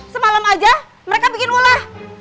semalam aja mereka bikin ulah